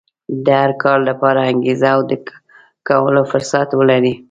د هر کار لپاره انګېزه او د کولو فرصت ولرئ.